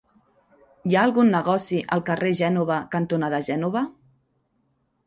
Hi ha algun negoci al carrer Gènova cantonada Gènova?